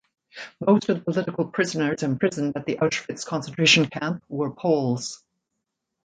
Most of the political prisoners imprisoned at the Auschwitz concentration camp were Poles.